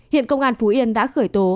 hiện công an phú yên đã khởi tố